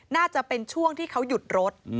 น่าจะเป็นช่วงที่เขาหยุดรถ